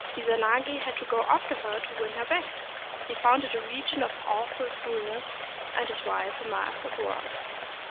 Izanagi had to go after her to win her back. He found it a region of awful foulness, and his wife a mass of worms.